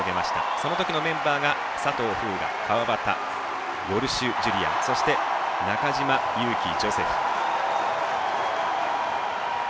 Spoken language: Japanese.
その時のメンバーが、佐藤風雅川端、ウォルシュ・ジュリアンそして中島佑気ジョセフ。